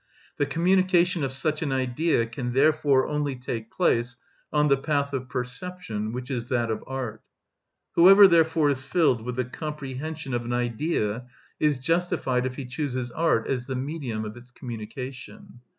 The communication of such an Idea can therefore only take place on the path of perception, which is that of art. Whoever, therefore, is filled with the comprehension of an Idea is justified if he chooses art as the medium of its communication.